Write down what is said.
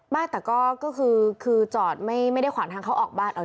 บ้านแต่ก็ก็คือคือจอดไม่ไม่ได้ขวานทางเขาออกบ้านเอา